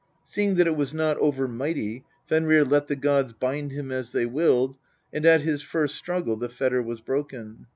Seeing that it was not over mighty, Fe'nrir let the gods bind him as they willed, and at his first struggle the fetter was broken.